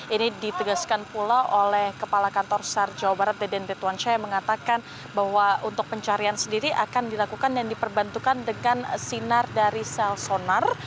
ini ditegaskan pula oleh kepala kantor sar jawa barat deden rituansyah mengatakan bahwa untuk pencarian sendiri akan dilakukan dan diperbantukan dengan sinar dari sel sonar